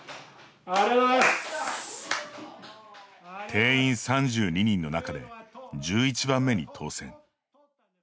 定員３２人の中で１１番目に当選。